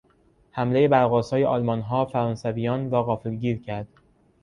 حملهی برقآسای آلمانها فرانسویان را غافلگیر کرد.